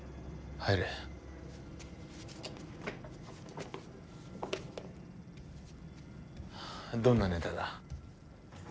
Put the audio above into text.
はあどんなネタだ？